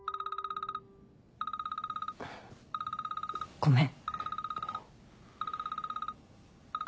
ごめん。